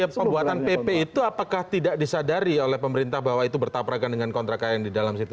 nah itu dia pembuatan pp itu apakah tidak disadari oleh pemerintah bahwa itu bertaprakan dengan kontrak karya yang di dalam situ